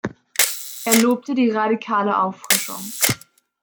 Er lobte die «radikale Auffrischung».